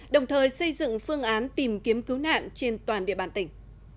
đồng thời xây dựng phương án tìm kiếm cứu nạn trên toàn địa bàn tỉnh